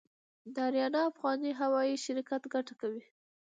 د اریانا افغان هوايي شرکت ګټه کوي؟